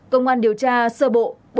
công an điều tra sơ bộ